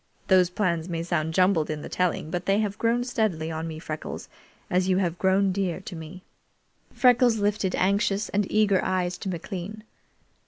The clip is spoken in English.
Those plans may sound jumbled in the telling, but they have grown steadily on me, Freckles, as you have grown dear to me." Freckles lifted anxious and eager eyes to McLean.